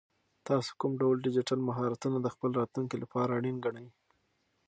تاسو کوم ډول ډیجیټل مهارتونه د خپل راتلونکي لپاره اړین ګڼئ؟